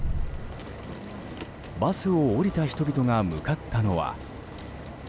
バスを降りた人々が向かったのは。